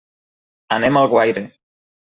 Anem a Alguaire.